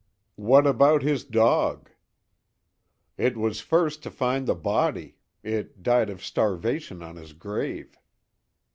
What about his dog?" "It was first to find the body. It died of starvation on his grave."